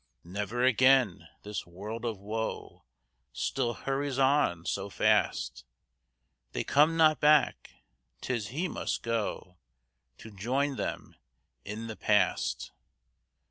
Never again; this world of woe Still hurries on so fast; They come not back; 'tis he must go To join them in the past.